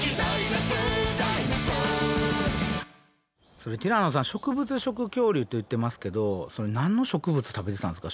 それティラノさん植物食恐竜って言ってますけど何の植物食べてたんですか？